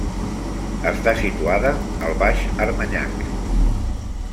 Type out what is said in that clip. Està situada al baix Armanyac.